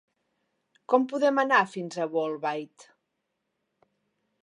Com podem anar fins a Bolbait?